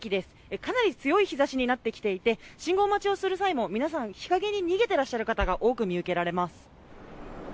かなり強い日差しになってきていて信号待ちをする際も皆さん日陰に逃げていらっしゃる方が多く見られます。